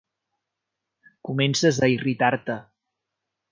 Comences a irritar-te.